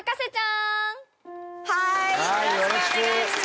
よろしくお願いします。